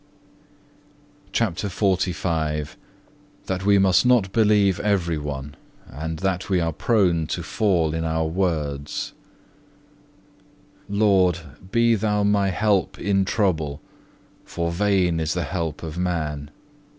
CHAPTER XLV That we must not believe everyone, and that we are prone to fall in our words Lord, be thou my help in trouble, for vain is the help of man.